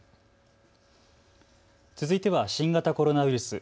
続いては新型コロナウイルス。